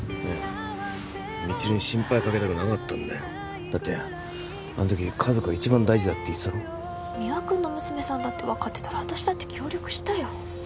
未知留に心配かけたくなかったんだよだってあの時家族が一番大事だって言ってたろ三輪君の娘さんだって分かってたら私だって協力したよ